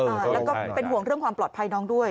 แล้วก็เป็นห่วงเรื่องความปลอดภัยน้องด้วย